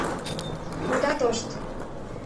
— Ода тошт!